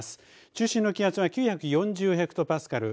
中心の気圧は９４０ヘクトパスカル。